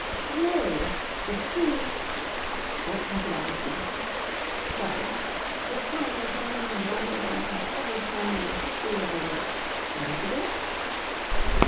"Glorious! The sea...." "Don't talk about the sea!" "Sorry! The sun is shining brighter than it has ever shone in the history of the race. Why don't you get up?"